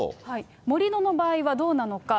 盛り土の場合はどうなのか。